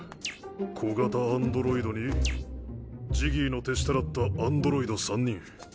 小型アンドロイドにジギーの手下だったアンドロイド３人。